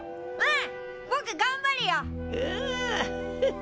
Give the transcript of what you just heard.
ん？